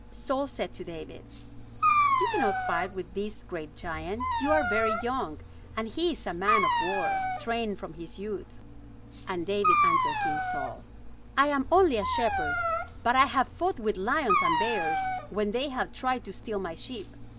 Saul said to David: "You cannot fight with this great giant. You are very young; and he is a man of war, trained from his youth." And David answered King Saul: "I am only a shepherd, but I have fought with lions and bears, when they have tried to steal my sheep.